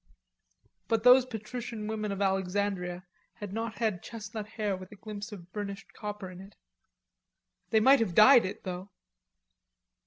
But those patrician women of Alexandria had not had chestnut hair with a glimpse of burnished copper in it; they might have dyed it, though!